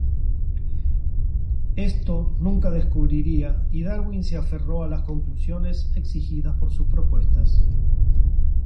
Esto nunca descubriría y Darwin se aferró a las conclusiones exigidas por sus propuestas.